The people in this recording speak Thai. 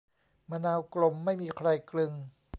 มะนาวกลมไม่มีใครกลึง